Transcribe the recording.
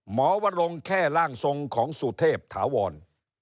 หมอวะลงแค่ร่างทรงของสุเทพธาวร